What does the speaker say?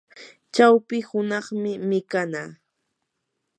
chawpi hunaqmi mikanaa.